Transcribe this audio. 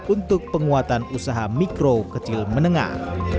untuk penguatan usaha mikro kecil menengah